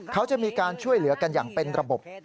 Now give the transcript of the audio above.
เขาจะมีการช่วยเหลือกันอย่างเป็นระบบ